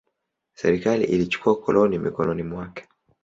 Serikali ilichukua koloni mikononi mwake.